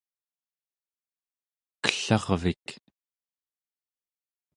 kellarvik